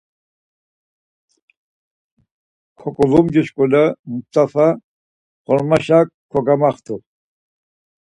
Koǩolumcu şuǩule Must̆afa ğormaşa kogamaxt̆u.